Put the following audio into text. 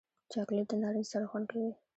چاکلېټ د نارنج سره خوند کوي.